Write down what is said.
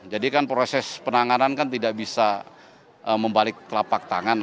jadi kan proses penanganan tidak bisa membalik kelapak tangan